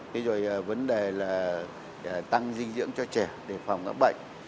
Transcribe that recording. thế rồi vấn đề là tăng dinh dưỡng cho trẻ để phòng các bệnh